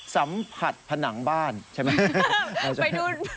สัมผัสผนังบ้านใช่ไหม